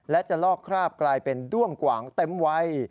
และจะลอกคราบกลายเป็นด้วงกว่างเต็มวัย